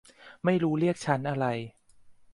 ไม่รู้เรียกชั้นอะไร